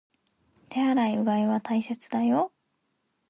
手洗い、うがいは大切だよ